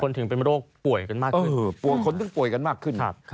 คนถึงเป็นโรคป่วยกันมากขึ้น